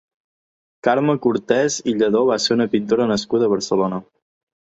Carme Cortès i Lladó va ser una pintora nascuda a Barcelona.